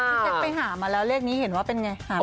พี่เจ๊ไปหามาแล้วเลขนี้เห็นว่าเป็นไงหาไม่เจอ